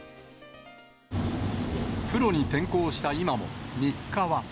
プロに転向した今も、日課は。